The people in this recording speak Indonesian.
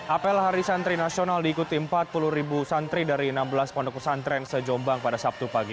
apel hari santri nasional diikuti empat puluh santri dari enam belas pendukung santren sejombang pada sabtu pagi